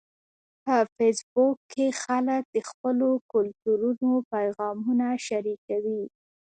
په فېسبوک کې خلک د خپلو کلتورونو پیغامونه شریکوي